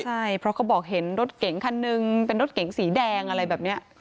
ใช่เพราะเขาบอกเห็นรถเก๋งคันหนึ่งเป็นรถเก๋งสีแดงอะไรแบบนี้